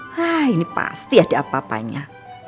hah ini pasti ada apa apanya